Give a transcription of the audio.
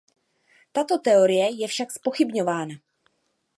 Tato teorie je však zpochybňována.